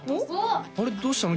あれどうしたの？